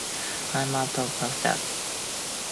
I'm out of Black Jack.